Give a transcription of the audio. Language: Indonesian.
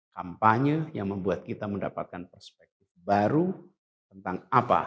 kampanye yang membuat kita mendapatkan perspektif baru tentang apa